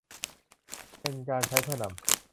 เป็นการใช้เพื่อนำ